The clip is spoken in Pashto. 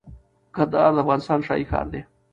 کندهار د افغانستان شاهي ښار دي